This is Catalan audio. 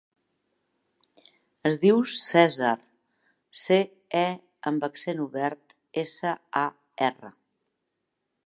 Es diu Cèsar: ce, e amb accent obert, essa, a, erra.